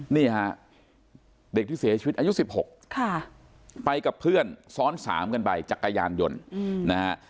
นี่ฮะเด็กที่เสียชีวิตอายุ๑๖ไปกับเพื่อนซ้อน๓กันไปจักรยานยนต์นะฮะ